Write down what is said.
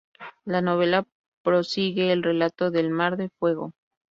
La novela prosigue el relato de El Mar de Fuego.